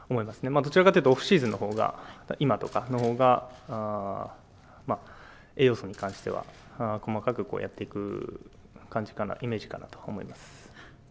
どちらかというと、オフシーズンのほうが、今とかのほうが栄養素に関しては、細かくやっていく感じかな、イメージかなと思います。